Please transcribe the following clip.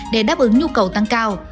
để đáp ứng nhu cầu tăng cao